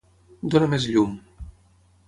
Dóna més llum.